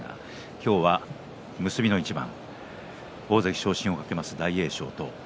今日、結びの一番大関昇進を懸けます、大栄翔。